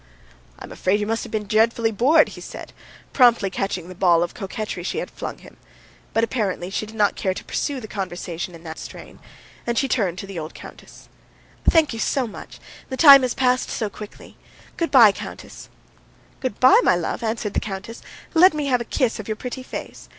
"I am afraid that you must have been dreadfully bored," he said, promptly catching the ball of coquetry she had flung him. But apparently she did not care to pursue the conversation in that strain, and she turned to the old countess. "Thank you so much. The time has passed so quickly. Good bye, countess." "Good bye, my love," answered the countess. "Let me have a kiss of your pretty face.